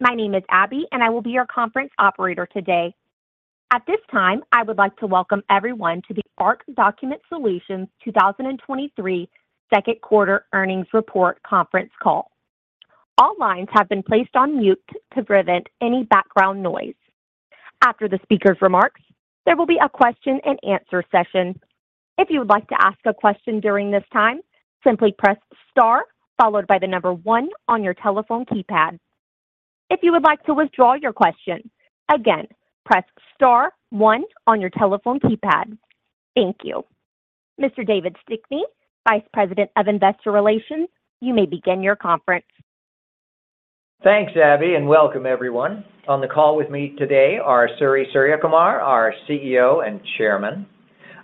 My name is Abby, and I will be your conference operator today. At this time, I would like to welcome everyone to the ARC Document Solutions 2023 second quarter earnings report conference call. All lines have been placed on mute to prevent any background noise. After the speaker's remarks, there will be a question and answer session. If you would like to ask a question during this time, simply press star followed by the one on your telephone keypad. If you would like to withdraw your question, again, press star one on your telephone keypad. Thank you. Mr. David Stickney, Vice President of Investor Relations, you may begin your conference. Thanks, Abby. Welcome everyone. On the call with me today are Suri Suriyakumar, our CEO and Chairman,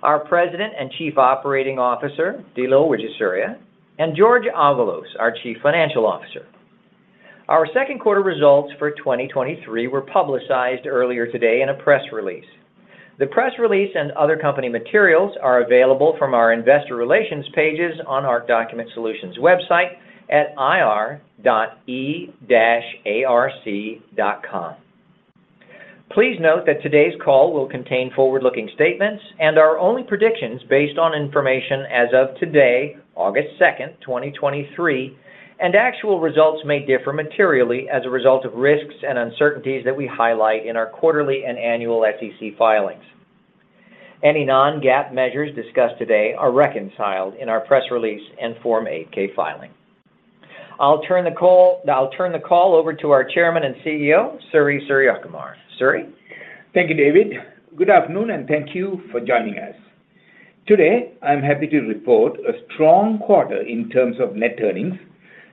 our President and Chief Operating Officer, Dilo Wijesuriya, and Jorge Avalos, our Chief Financial Officer. Our second quarter results for 2023 were publicized earlier today in a press release. The press release and other company materials are available from our investor relations pages on ARC Document Solutions website at ir.e-arc.com. Please note that today's call will contain forward-looking statements and are only predictions based on information as of today, August 2nd, 2023, and actual results may differ materially as a result of risks and uncertainties that we highlight in our quarterly and annual SEC filings. Any non-GAAP measures discussed today are reconciled in our press release and Form 8-K filing. I'll turn the call over to our Chairman and CEO, Suri Suriyakumar. Suri? Thank you, David. Good afternoon, and thank you for joining us. Today, I'm happy to report a strong quarter in terms of net earnings,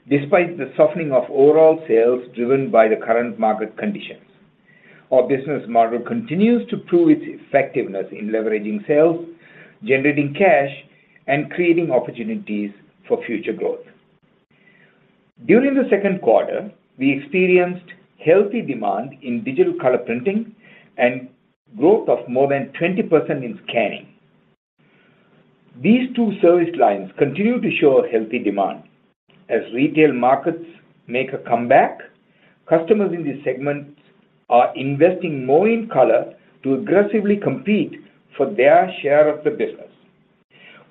despite the softening of overall sales driven by the current market conditions. Our business model continues to prove its effectiveness in leveraging sales, generating cash, and creating opportunities for future growth. During the second quarter, we experienced healthy demand in digital color printing and growth of more than 20% in scanning. These two service lines continue to show a healthy demand. As retail markets make a comeback, customers in these segments are investing more in color to aggressively compete for their share of the business.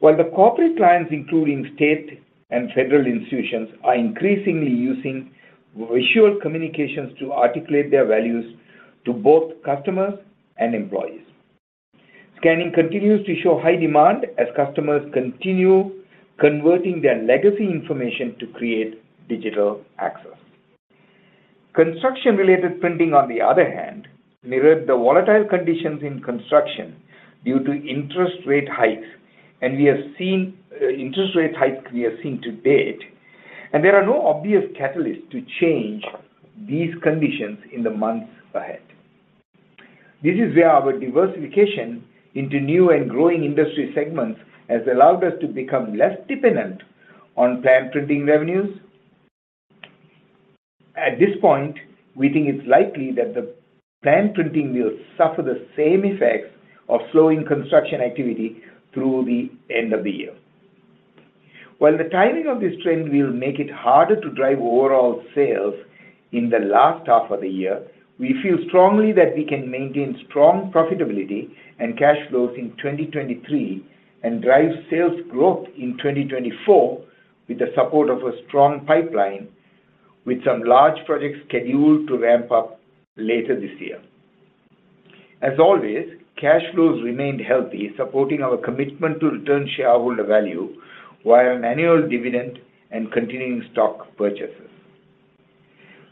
The corporate clients, including state and federal institutions, are increasingly using visual communications to articulate their values to both customers and employees. Scanning continues to show high demand as customers continue converting their legacy information to create digital access. Construction-related printing, on the other hand, mirrored the volatile conditions in construction due to interest rate hikes, and we have seen interest rate hikes we have seen to date. There are no obvious catalysts to change these conditions in the months ahead. This is where our diversification into new and growing industry segments has allowed us to become less dependent on plan printing revenues. At this point, we think it's likely that the plan printing will suffer the same effects of slowing construction activity through the end of the year. While the timing of this trend will make it harder to drive overall sales in the last half of the year, we feel strongly that we can maintain strong profitability and cash flows in 2023 and drive sales growth in 2024 with the support of a strong pipeline, with some large projects scheduled to ramp up later this year. As always, cash flows remained healthy, supporting our commitment to return shareholder value via an annual dividend and continuing stock purchases.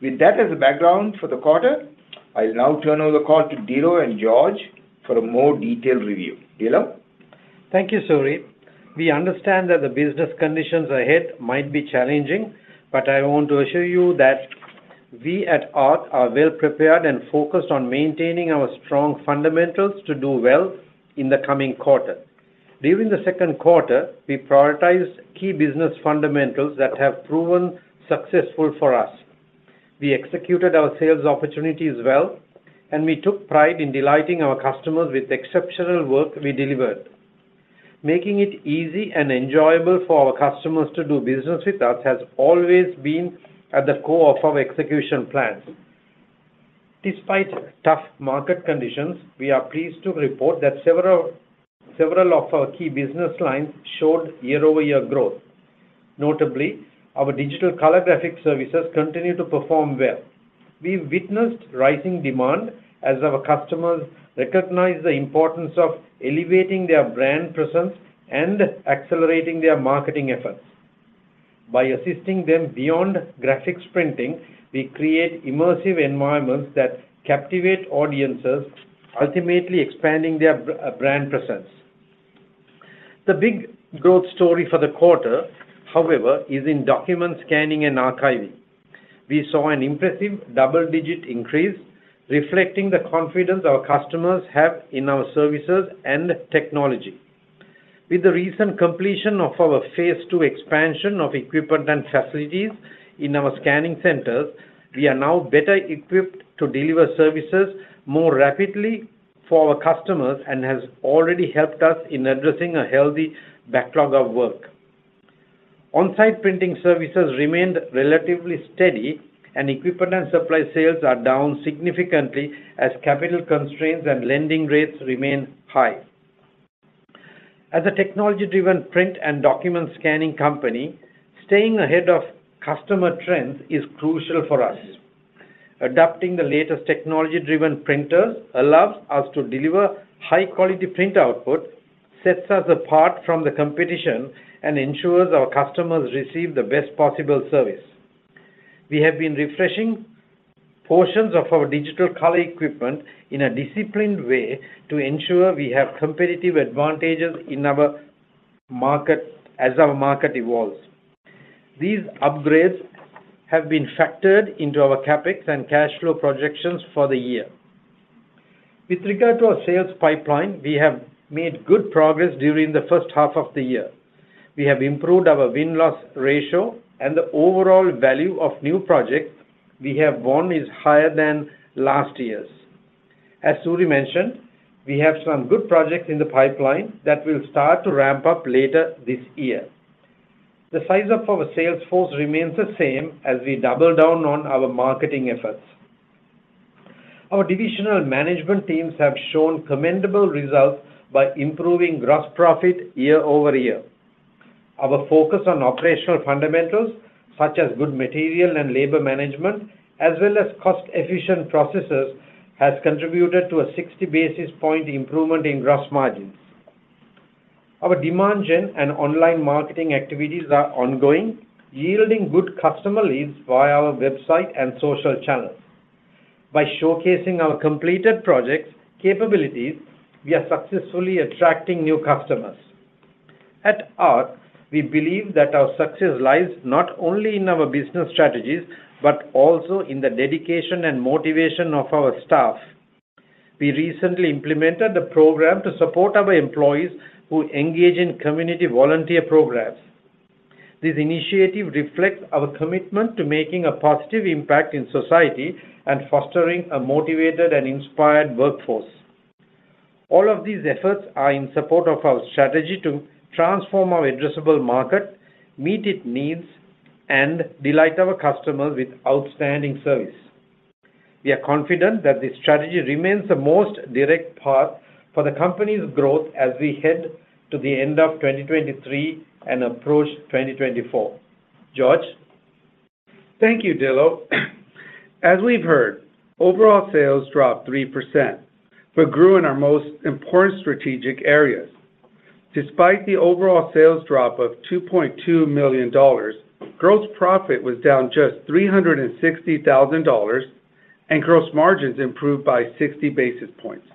With that as a background for the quarter, I'll now turn over the call to Dilo and Jorge for a more detailed review. Dilo? Thank you, Suri. We understand that the business conditions ahead might be challenging, I want to assure you that we at ARC are well prepared and focused on maintaining our strong fundamentals to do well in the coming quarter. During the second quarter, we prioritized key business fundamentals that have proven successful for us. We executed our sales opportunities well, and we took pride in delighting our customers with the exceptional work we delivered. Making it easy and enjoyable for our customers to do business with us has always been at the core of our execution plans. Despite tough market conditions, we are pleased to report that several, several of our key business lines showed year-over-year growth. Notably, our digital color graphic services continued to perform well. We witnessed rising demand as our customers recognized the importance of elevating their brand presence and accelerating their marketing efforts. By assisting them beyond graphics printing, we create immersive environments that captivate audiences, ultimately expanding their brand presence. The big growth story for the quarter, however, is in document scanning and archiving. We saw an impressive double-digit increase, reflecting the confidence our customers have in our services and technology. With the recent completion of our phase 2 expansion of equipment and facilities in our scanning centers, we are now better equipped to deliver services more rapidly for our customers and has already helped us in addressing a healthy backlog of work. On-site printing services remained relatively steady, equipment and supply sales are down significantly as capital constraints and lending rates remain high. As a technology-driven print and document scanning company, staying ahead of customer trends is crucial for us. Adopting the latest technology-driven printers allows us to deliver high-quality print output, sets us apart from the competition, and ensures our customers receive the best possible service. We have been refreshing portions of our digital color equipment in a disciplined way to ensure we have competitive advantages in our market as our market evolves. These upgrades have been factored into our CapEx and cash flow projections for the year. With regard to our sales pipeline, we have made good progress during the first half of the year. We have improved our win-loss ratio, and the overall value of new projects we have won is higher than last year's. As Suri mentioned, we have some good projects in the pipeline that will start to ramp up later this year. The size of our sales force remains the same as we double down on our marketing efforts. Our divisional management teams have shown commendable results by improving gross profit year-over-year. Our focus on operational fundamentals, such as good material and labor management, as well as cost-efficient processes, has contributed to a 60 basis points improvement in gross margins. Our demand gen and online marketing activities are ongoing, yielding good customer leads via our website and social channels. By showcasing our completed projects, capabilities, we are successfully attracting new customers. At ARC, we believe that our success lies not only in our business strategies, but also in the dedication and motivation of our staff. We recently implemented a program to support our employees who engage in community volunteer programs. This initiative reflects our commitment to making a positive impact in society and fostering a motivated and inspired workforce. All of these efforts are in support of our strategy to transform our addressable market, meet its needs, and delight our customers with outstanding service. We are confident that this strategy remains the most direct path for the company's growth as we head to the end of 2023 and approach 2024. Jorge? Thank you, Dilo. As we've heard, overall sales dropped 3%, grew in our most important strategic areas. Despite the overall sales drop of $2.2 million, gross profit was down just $360,000, and gross margins improved by 60 basis points.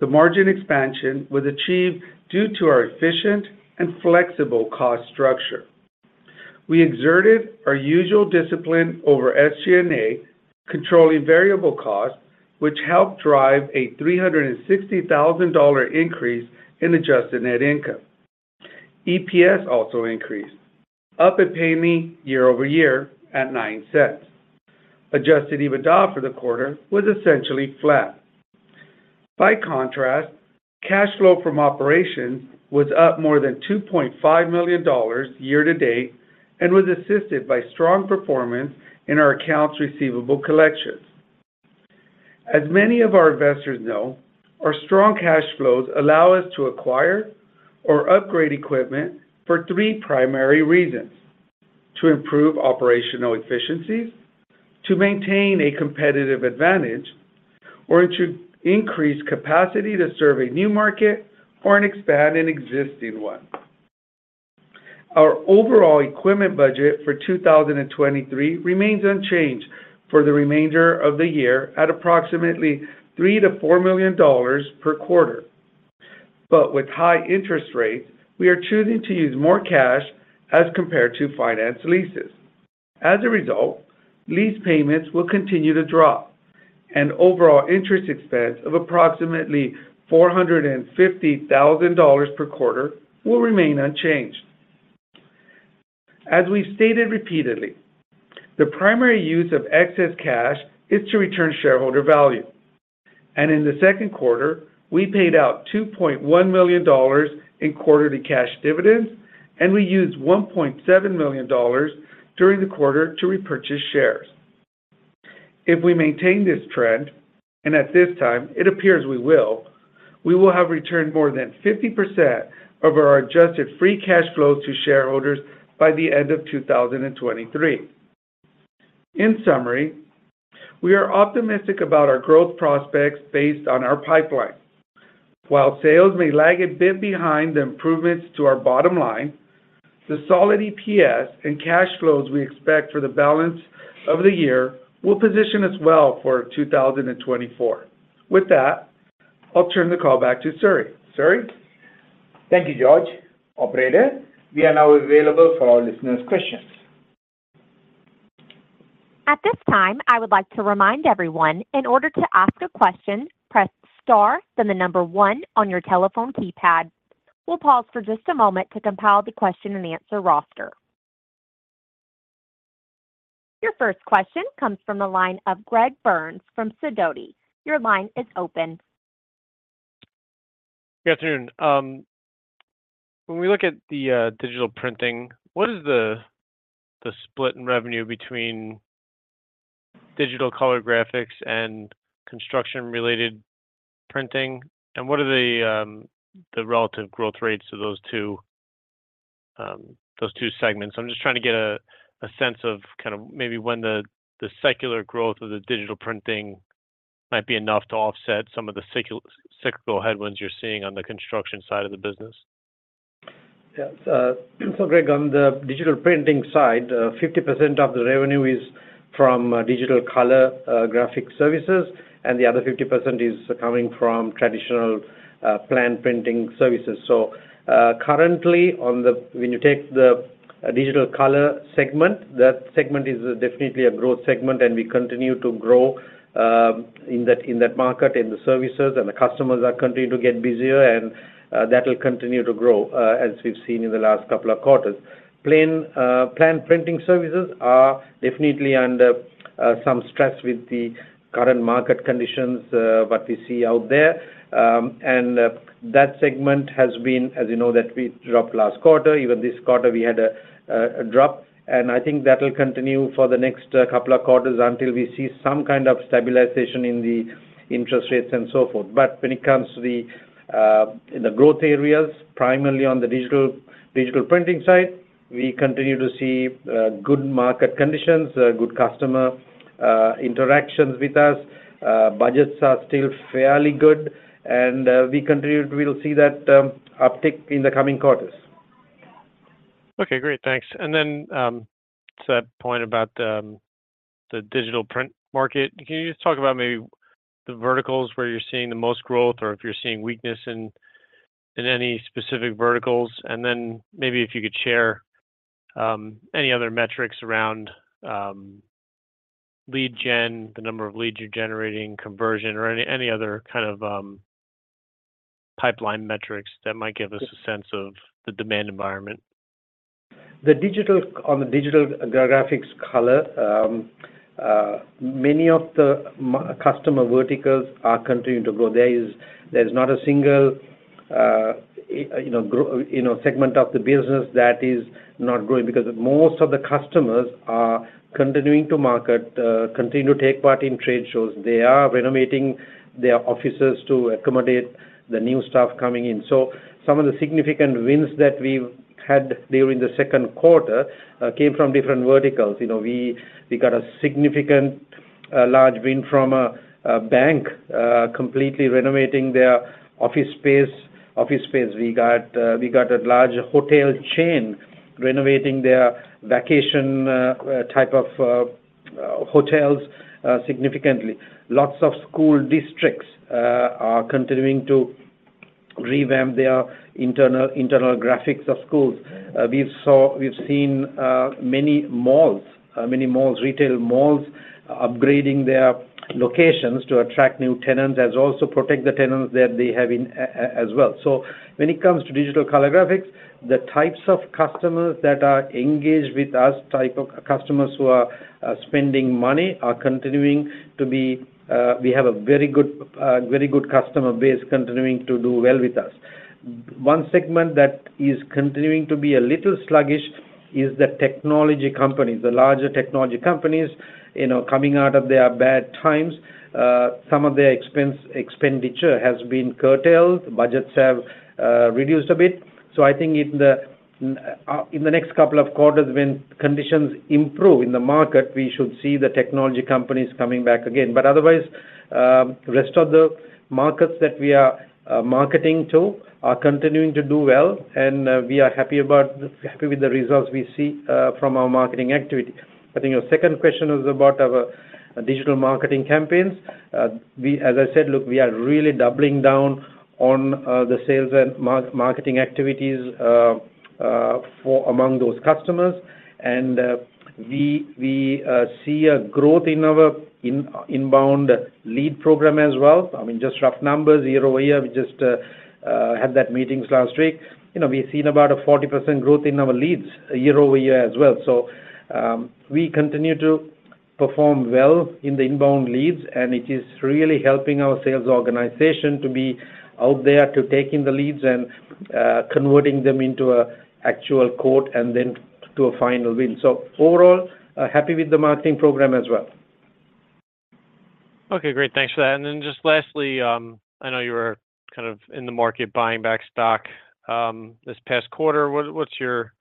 The margin expansion was achieved due to our efficient and flexible cost structure. We exerted our usual discipline over SG&A, controlling variable costs, which helped drive a $360,000 increase in adjusted net income. EPS also increased, up $0.01 year-over-year at $0.09. Adjusted EBITDA for the quarter was essentially flat. By contrast, cash flow from operations was up more than $2.5 million year-to-date and was assisted by strong performance in our accounts receivable collections. As many of our investors know, our strong cash flows allow us to acquire or upgrade equipment for three primary reasons: To improve operational efficiencies, to maintain a competitive advantage, or to increase capacity to serve a new market or expand an existing one. Our overall equipment budget for 2023 remains unchanged for the remainder of the year at approximately $3 million-$4 million per quarter. With high interest rates, we are choosing to use more cash as compared to finance leases. As a result, lease payments will continue to drop, and overall interest expense of approximately $450,000 per quarter will remain unchanged. As we've stated repeatedly, the primary use of excess cash is to return shareholder value, and in the second quarter, we paid out $2.1 million in quarterly cash dividends, and we used $1.7 million during the quarter to repurchase shares. If we maintain this trend, and at this time, it appears we will, we will have returned more than 50% of our adjusted free cash flow to shareholders by the end of 2023. In summary, we are optimistic about our growth prospects based on our pipeline. While sales may lag a bit behind the improvements to our bottom line, the solid EPS and cash flows we expect for the balance of the year will position us well for 2024. With that, I'll turn the call back to Suri. Suri? Thank you, Jorge. Operator, we are now available for our listeners' questions. At this time, I would like to remind everyone, in order to ask a question, press star, then one on your telephone keypad. We'll pause for just a moment to compile the question-and-answer roster. Your first question comes from the line of Greg Burns from Sidoti. Your line is open. Good afternoon. When we look at the digital printing, what is the split in revenue between digital color graphics and construction-related printing? What are the relative growth rates of those two, those two segments? I'm just trying to get a sense of kind of maybe when the secular growth of the digital printing might be enough to offset some of the cyclical headwinds you're seeing on the construction side of the business. Yes, so Greg, on the digital printing side, 50% of the revenue is from digital color graphic services, and the other 50% is coming from traditional plan printing services. Currently, on the when you take the digital color segment, that segment is definitely a growth segment, and we continue to grow, in that, in that market, in the services, and the customers are continuing to get busier, and that will continue to grow, as we've seen in the last couple of quarters. Plan printing services are definitely under some stress with the current market conditions, what we see out there. That segment has been, as you know, that we dropped last quarter. Even this quarter, we had a drop, and I think that will continue for the next couple of quarters until we see some kind of stabilization in the interest rates and so forth. When it comes to the in the growth areas, primarily on the digital, digital printing side, we continue to see good market conditions, good customer interactions with us. Budgets are still fairly good, and we continue to. We'll see that uptick in the coming quarters. Okay, great. Thanks. Then, to that point about the digital print market, can you just talk about maybe the verticals where you're seeing the most growth, or if you're seeing weakness in any specific verticals? Then maybe if you could share any other metrics around lead gen, the number of leads you're generating, conversion, or any, any other kind of pipeline metrics that might give us a sense of the demand environment? On the digital graphics color, many of the customer verticals are continuing to grow. There is, there's not a single, you know, you know, segment of the business that is not growing because most of the customers are continuing to market, continue to take part in trade shows. They are renovating their offices to accommodate the new staff coming in. Some of the significant wins that we've had during the second quarter came from different verticals. You know, we, we got a significant, large win from a bank, completely renovating their office space, office space. We got, we got a large hotel chain renovating their vacation type of hotels significantly. Lots of school districts are continuing to revamp their internal, internal graphics of schools. We've seen many malls, many malls, retail malls, upgrading their locations to attract new tenants, as also protect the tenants that they have in, as well. When it comes to digital color graphics, the types of customers that are engaged with us, type of customers who are spending money, are continuing to be, we have a very good, very good customer base continuing to do well with us. One segment that is continuing to be a little sluggish is the technology companies. The larger technology companies, you know, coming out of their bad times, some of their expenditure has been curtailed. Budgets have reduced a bit. I think in the next couple of quarters, when conditions improve in the market, we should see the technology companies coming back again. Otherwise, rest of the markets that we are marketing to are continuing to do well, we are happy with the results we see from our marketing activity. I think your second question was about our digital marketing campaigns. As I said, look, we are really doubling down on the sales and marketing activities for among those customers. We see a growth in our inbound lead program as well. I mean, just rough numbers, year-over-year, we just had that meetings last week. You know, we've seen about a 40% growth in our leads year-over-year as well. We continue to perform well in the inbound leads, and it is really helping our sales organization to be out there to taking the leads and converting them into a actual quote and then to a final win. Overall, happy with the marketing program as well. Okay, great. Thanks for that. Then just lastly, I know you were kind of in the market buying back stock, this past quarter. What's your,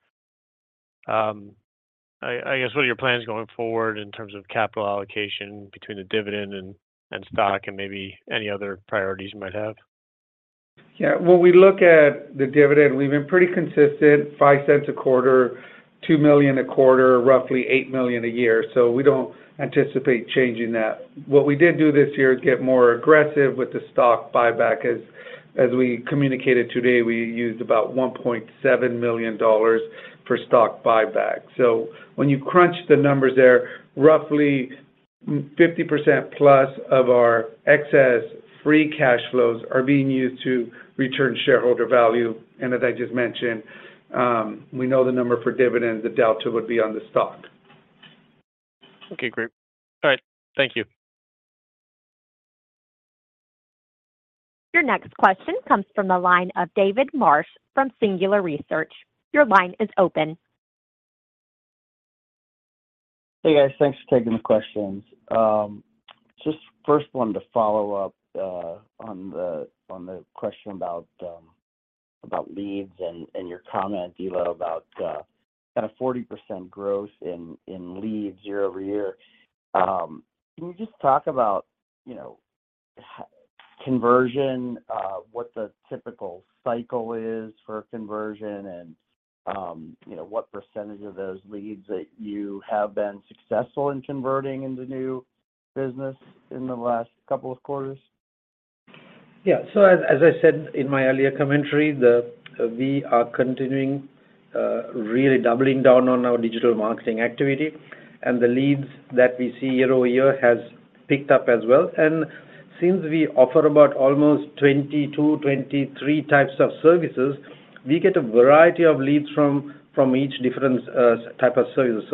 I guess, what are your plans going forward in terms of capital allocation between the dividend and stock and maybe any other priorities you might have? Yeah. When we look at the dividend, we've been pretty consistent, $0.05 a quarter, $2 million a quarter, roughly $8 million a year. We don't anticipate changing that. What we did do this year is get more aggressive with the stock buyback. As, as we communicated today, we used about $1.7 million for stock buyback. When you crunch the numbers there, 50% plus of our excess free cash flows are being used to return shareholder value. As I just mentioned, we know the number for dividends, the delta would be on the stock. Okay, great. All right. Thank you. Your next question comes from the line of David Marsh from Singular Research. Your line is open. Hey, guys. Thanks for taking the questions. Just first wanted to follow up on the, on the question about about leads and, and your comment, Dilo, about kind of 40% growth in, in leads year-over-year. Can you just talk about, you know, conversion, what the typical cycle is for a conversion and, you know, what % of those leads that you have been successful in converting into new business in the last couple of quarters? Yeah. As I said in my earlier commentary, we are continuing, really doubling down on our digital marketing activity, the leads that we see year-over-year has picked up as well. Since we offer about almost 22-23 types of services, we get a variety of leads from, from each different type of service.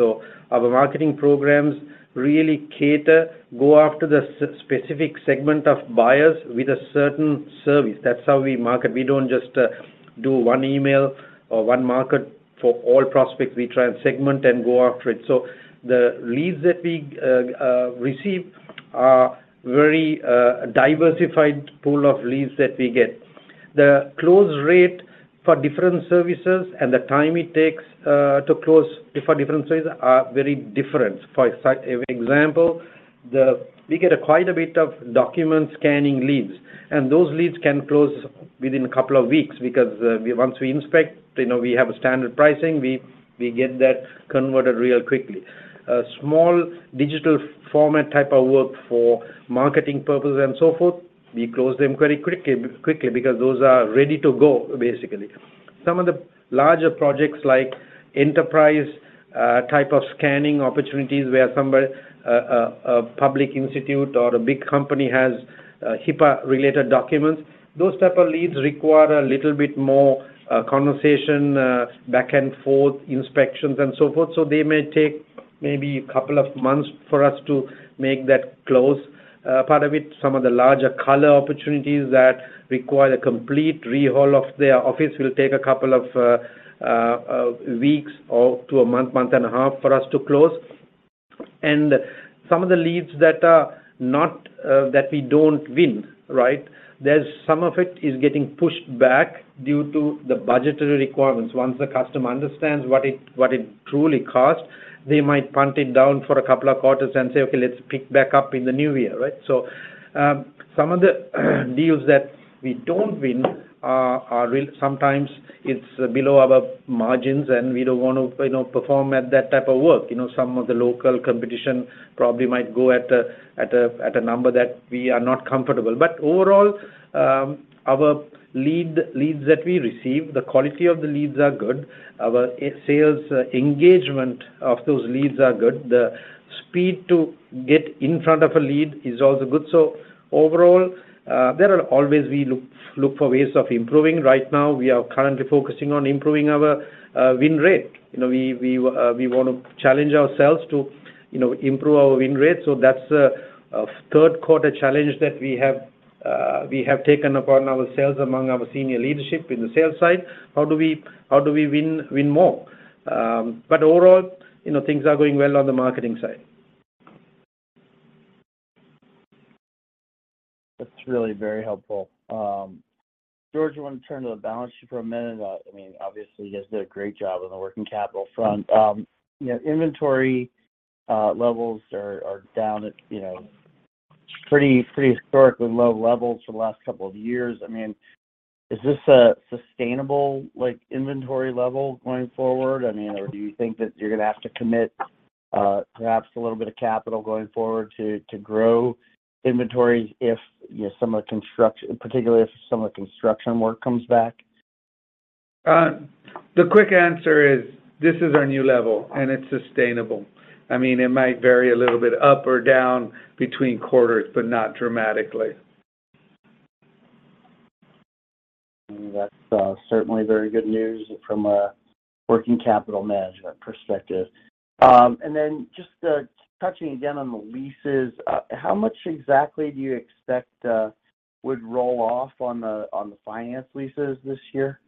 Our marketing programs really cater, go after the specific segment of buyers with a certain service. That's how we market. We don't just do one email or one market for all prospects. We try and segment and go after it. The leads that we receive are very diversified pool of leads that we get. The close rate for different services and the time it takes to close for different services are very different. For example, we get quite a bit of document scanning leads. Those leads can close within a couple of weeks because once we inspect, you know, we have a standard pricing, we, we get that converted real quickly. A small digital format type of work for marketing purposes and so forth, we close them very quickly, quickly because those are ready to go, basically. Some of the larger projects, like enterprise type of scanning opportunities, where somebody, a public institute or a big company has HIPAA-related documents, those type of leads require a little bit more conversation back and forth, inspections, and so forth. They may take maybe a couple of months for us to make that close. Part of it, some of the larger color opportunities that require a complete rehaul of their office, will take two weeks or to one month-1.5 months for us to close. Some of the leads that are not that we don't win, right? There's some of it is getting pushed back due to the budgetary requirements. Once the customer understands what it, what it truly costs, they might punt it down for 2 quarters and say, "Okay, let's pick back up in the new year," right? Some of the deals that we don't win are, are real, sometimes it's below our margins, and we don't want to, you know, perform at that type of work. You know, some of the local competition probably might go at a, at a, at a number that we are not comfortable. Overall, our lead, leads that we receive, the quality of the leads are good. Our sales engagement of those leads are good. The speed to get in front of a lead is also good. Overall, there are always. We look, look for ways of improving. Right now, we are currently focusing on improving our win rate. You know, we, we, we want to challenge ourselves to, you know, improve our win rate. That's a, a third quarter challenge that we have, we have taken upon our sales among our senior leadership in the sales side. How do we, how do we win, win more? Overall, you know, things are going well on the marketing side. That's really very helpful. Jorge, you want to turn to the balance sheet for a minute? I mean, obviously, you guys did a great job on the working capital front. You know, inventory, levels are, are down at, you know, pretty, pretty historically low levels for the last two years. I mean, is this a sustainable, like, inventory level going forward? I mean, or do you think that you're gonna have to commit, perhaps a little bit of capital going forward to, to grow inventories if, you know, some of the construction, particularly if some of the construction work comes back? The quick answer is, this is our new level, and it's sustainable. I mean, it might vary a little bit up or down between quarters, but not dramatically. That's, certainly very good news from a working capital management perspective. Just, touching again on the leases, how much exactly do you expect, would roll off on the, on the finance leases this year?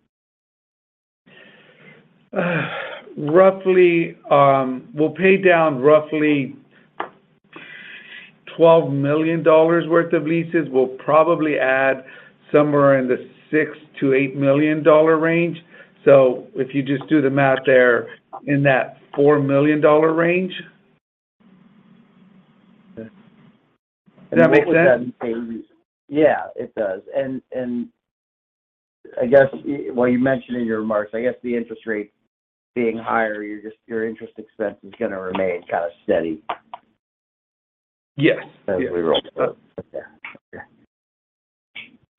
Roughly, we'll pay down roughly $12 million worth of leases. We'll probably add somewhere in the $6 million-$8 million range. If you just do the math there, in that $4 million range. Okay. Does that make sense? Yeah, it does. I guess, well, you mentioned in your remarks, I guess the interest rate being higher, your your interest expense is gonna remain kind of steady- Yes. As we roll out.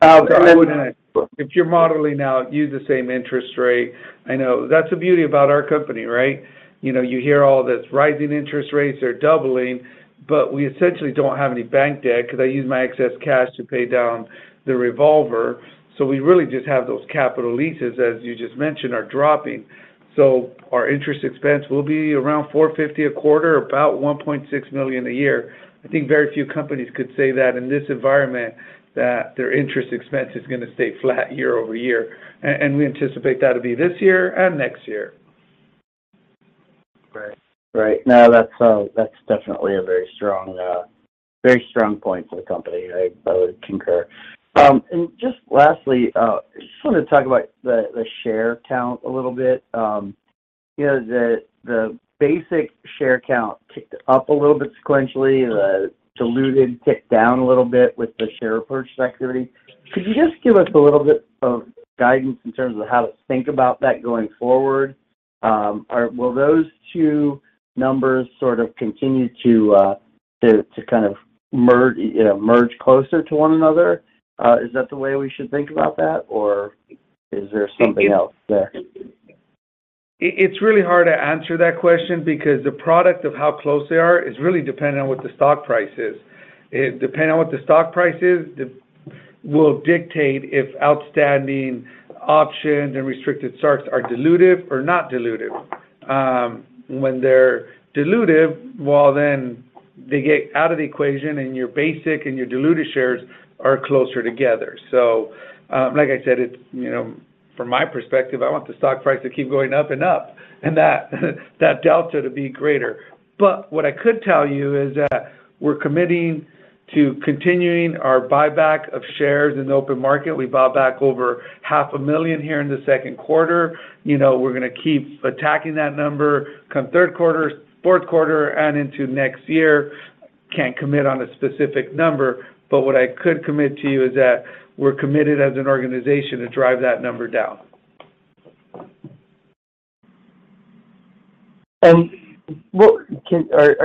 I would, if you're modeling out, use the same interest rate. I know. That's the beauty about our company, right? You know, you hear all this rising interest rates are doubling, but we essentially don't have any bank debt 'cause I use my excess cash to pay down the revolver. We really just have those capital leases, as you just mentioned, are dropping. Our interest expense will be around $450 a quarter, about $1.6 million a year. I think very few companies could say that in this environment, that their interest expense is gonna stay flat year-over-year. We anticipate that to be this year and next year. Right. Right. Now, that's, that's definitely a very strong, very strong point for the company. I, I would concur. Just lastly, I just wanna talk about the, the share count a little bit. You know, the, the basic share count ticked up a little bit sequentially, the diluted ticked down a little bit with the share purchase security. Could you just give us a little bit of guidance in terms of how to think about that going forward? Will those two numbers sort of continue to, to, to kind of merge, you know, merge closer to one another? Is that the way we should think about that, or is there something else there? It's really hard to answer that question because the product of how close they are is really dependent on what the stock price is. Depending on what the stock price is, the will dictate if outstanding options and restricted stocks are dilutive or not dilutive. When they're dilutive, well, then they get out of the equation, and your basic and your dilutive shares are closer together. Like I said, it's, you know, from my perspective, I want the stock price to keep going up and up, and that, that delta to be greater. What I could tell you is that we're committing to continuing our buyback of shares in the open market. We bought back over $500,000 here in the second quarter. You know, we're gonna keep attacking that number, come third quarter, fourth quarter, and into next year. Can't commit on a specific number, but what I could commit to you is that we're committed as an organization to drive that number down. Are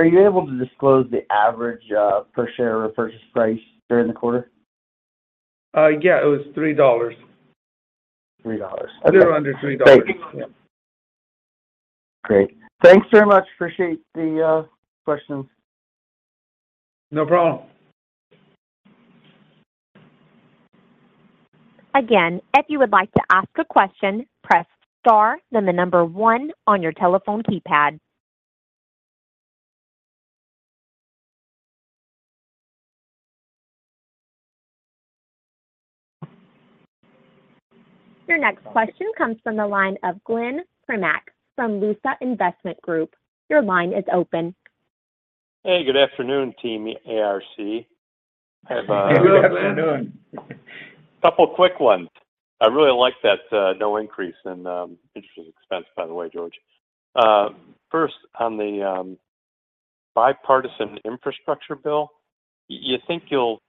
you able to disclose the average per share or purchase price during the quarter? Yeah, it was $3. $3. Okay. A little under $3. Great. Great. Thanks very much. Appreciate the questions. No problem. Again, if you would like to ask a question, press star, then one on your telephone keypad. Your next question comes from the line of Glenn Primack from LUSA Investment Group. Your line is open. Hey, good afternoon, team ARC. I have. Good afternoon. Couple quick ones. I really like that, no increase in, interest expense, by the way, Jorge. First, on the, bipartisan infrastructure bill, y- you think you'll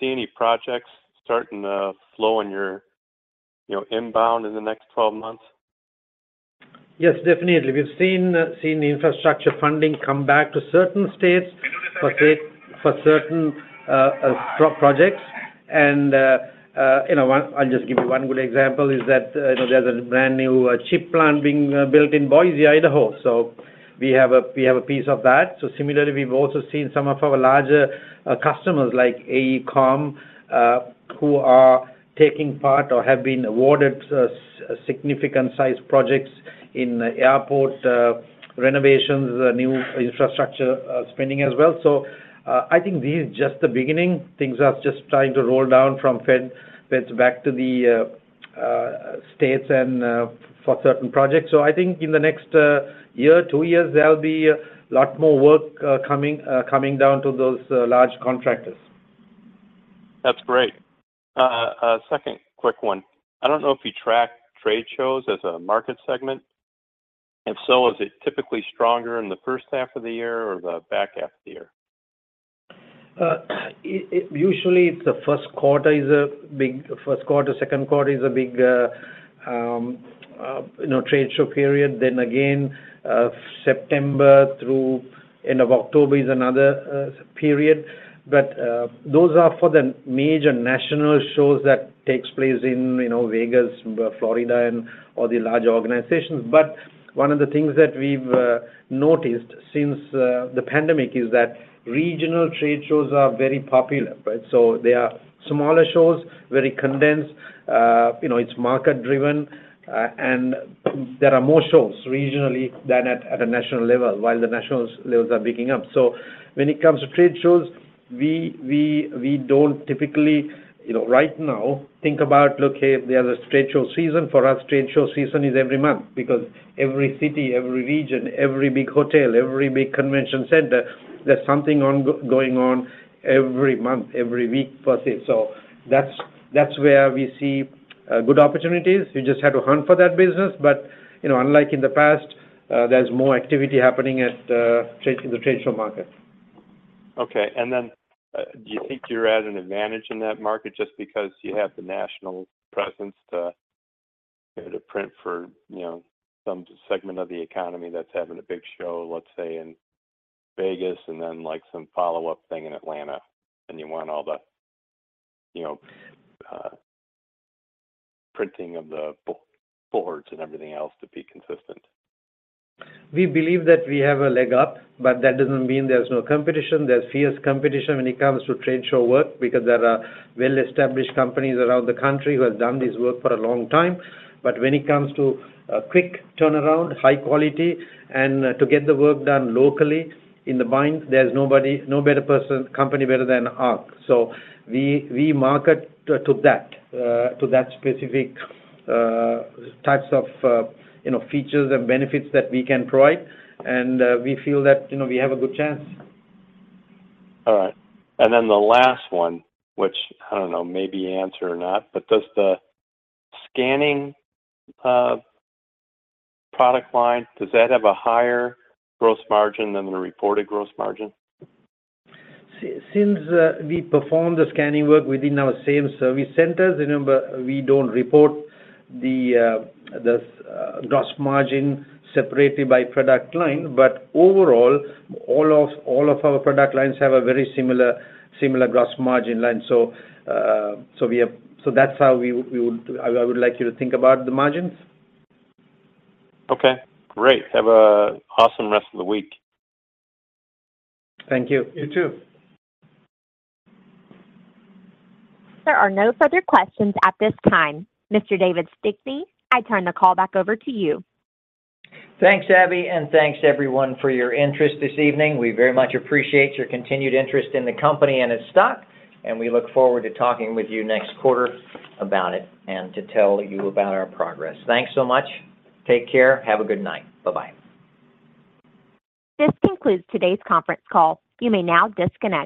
see any projects starting to flow in your, you know, inbound in the next 12 months? Yes, definitely. We've seen, seen the infrastructure funding come back to certain states for state, for certain projects. You know, one... I'll just give you one good example, is that, you know, there's a brand-new chip plant being built in Boise, Idaho, so we have a piece of that. Similarly, we've also seen some of our larger customers, like AECOM, who are taking part or have been awarded significant sized projects in airport renovations, new infrastructure spending as well. I think this is just the beginning. Things are just starting to roll down from fed's back to the states and for certain projects. I think in the next, one year, two years, there'll be a lot more work coming coming down to those large contractors. That's great. second quick one: I don't know if you track trade shows as a market segment, if so, is it typically stronger in the first half of the year or the back half of the year? i- it usually, it's the first quarter is a big. First quarter, second quarter is a big, you know, trade show period. Again, September through end of October is another period. Those are for the major national shows that takes place in, you know, Vegas, Florida, and all the large organizations. One of the things that we've noticed since the pandemic, is that regional trade shows are very popular, right? They are smaller shows, very condensed, you know, it's market driven, and there are more shows regionally than at a national level, while the national levels are picking up. When it comes to trade shows, we, we, we don't typically, you know, right now, think about, okay, there's a trade show season. For us, trade show season is every month because every city, every region, every big hotel, every big convention center, there's something going on every month, every week, per se. That's, that's where we see good opportunities. We just have to hunt for that business. You know, unlike in the past, there's more activity happening at, in the trade show market. Okay. Then, do you think you're at an advantage in that market just because you have the national presence to-... There to print for, you know, some segment of the economy that's having a big show, let's say, in Vegas, and then, like, some follow-up thing in Atlanta, and you want all the, you know, printing of the boards and everything else to be consistent. We believe that we have a leg up, but that doesn't mean there's no competition. There's fierce competition when it comes to trade show work because there are well-established companies around the country who have done this work for a long time. When it comes to a quick turnaround, high quality, and to get the work done locally in the bind, there's nobody, no better person, company better than us. We, we market to that, to that specific types of, you know, features and benefits that we can provide, and we feel that, you know, we have a good chance. All right. Then the last one, which I don't know, maybe you answer or not, but does the scanning, product line, does that have a higher gross margin than the reported gross margin? Since we perform the scanning work within our same service centers, remember, we don't report the, the, gross margin separately by product line, but overall, all of, all of our product lines have a very similar, similar gross margin line. That's how we would, I would like you to think about the margins. Okay, great. Have a awesome rest of the week. Thank you. You too. There are no further questions at this time. Mr. David Stickney, I turn the call back over to you. Thanks, Abby, and thanks everyone for your interest this evening. We very much appreciate your continued interest in the company and its stock, and we look forward to talking with you next quarter about it and to tell you about our progress. Thanks so much. Take care. Have a good night. Bye-bye. This concludes today's conference call. You may now disconnect.